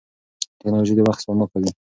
ټیکنالوژي د وخت سپما کوي.